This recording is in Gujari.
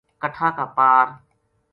کَٹھا کا پار